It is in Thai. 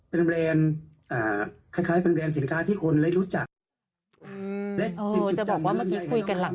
เป็นแบรนด์คล้ายเป็นแบรนด์สินค้าที่คนเลยรู้จัก